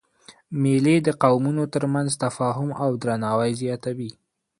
مېلې د قومونو تر منځ تفاهم او درناوی زیاتوي.